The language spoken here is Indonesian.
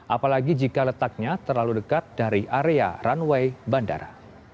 apalagi jika letaknya terlalu dekat dari area runway bandara